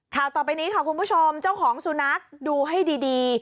ข่าวต่อไปนี้ค่ะคุณผู้ชมเจ้าของสุนัขดูให้ดี